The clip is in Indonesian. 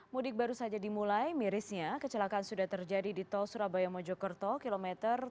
mudik baru saja dimulai mirisnya kecelakaan sudah terjadi di tol surabaya mojokerto km tujuh ratus dua puluh tujuh